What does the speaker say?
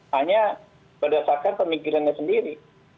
hanya berdasarkan pemikirannya sendiri